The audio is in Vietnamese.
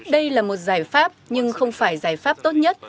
đây là một giải pháp nhưng không phải giải pháp tốt nhất